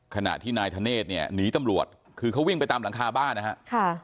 ขณะที่นายธเนธเนี่ยหนีตำรวจคือเขาวิ่งไปตามหลังคาบ้านนะฮะ